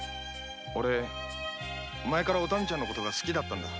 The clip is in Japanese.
オレ前からおたみちゃんの事が好きだったんだ。